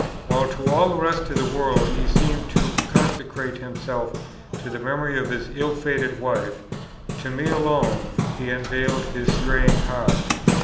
While to all the rest of the world, he seemed to consecrate himself to the memory of his ill fated wife, to me alone he unveiled his straying heart.